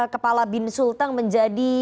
kepala bin sulteng menjadi